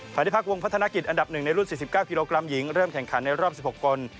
ที่พักวงพัฒนากิจอันดับ๑ในรุ่น๔๙กิโลกรัมหญิงเริ่มแข่งขันในรอบ๑๖คน